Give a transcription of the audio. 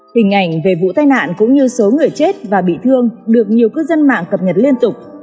hình ảnh về vụ tai nạn cũng như số người chết và bị thương được nhiều cư dân mạng cập nhật liên tục